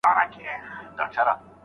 مسوده د لارښود استاد لخوا کتل کېږي.